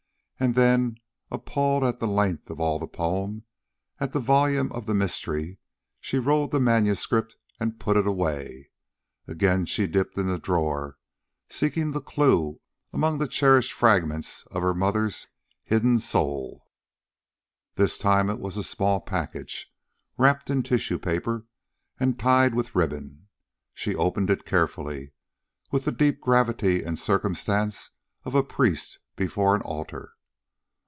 And then, appalled at the length of all the poem, at the volume of the mystery, she rolled the manuscript and put it away. Again she dipped in the drawer, seeking the clue among the cherished fragments of her mother's hidden soul. This time it was a small package, wrapped in tissue paper and tied with ribbon. She opened it carefully, with the deep gravity and circumstance of a priest before an altar.